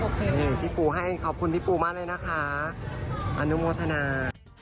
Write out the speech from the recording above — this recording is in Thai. มันมีเหมือนกันโอเคค่ะนี่พี่ปูให้ขอบคุณพี่ปูมากเลยนะคะอนุโมทนา